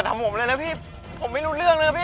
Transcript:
ถามผมเลยนะพี่ผมไม่รู้เรื่องเลยนะพี่